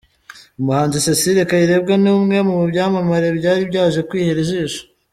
Umuhanzi Cécile Kayirebwa ni umwe mu byamamare byari byaje kwihera ijisho.